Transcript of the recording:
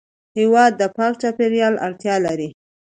هېواد د پاک چاپېریال اړتیا لري.